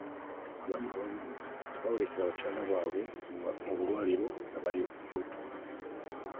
Abaami abamu tebawerekera bakyala baabwe mu bulwaliro nga bali mbuto.